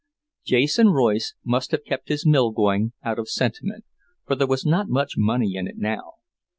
Jason Royce must have kept his mill going out of sentiment, for there was not much money in it now.